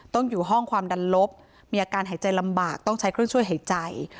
ต้องอยู่ห้องความดันลบมีอาการหายใจลำบากต้องใช้เครื่องช่วยหายใจ